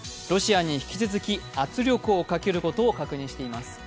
ロシアに引き続き圧力をかけることを確認しています。